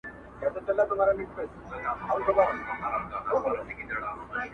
د ټپې په رزم اوس هغه ده پوه سوه.